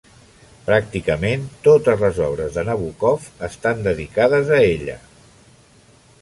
Pràcticament totes les obres de Nabókov estan dedicades a ella.